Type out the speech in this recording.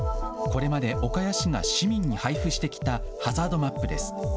これまで岡谷市が市民に配布してきたハザードマップです。